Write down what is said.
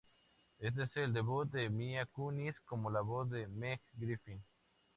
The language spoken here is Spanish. Este es el debut de Mila Kunis como la voz de Meg Griffin.